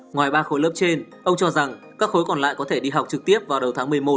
ngoài ba khối lớp trên ông cho rằng các khối còn lại có thể đi học trực tiếp vào đầu tháng một mươi một